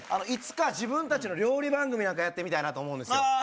いつか自分達の料理番組なんかやってみたいなと思うんですよ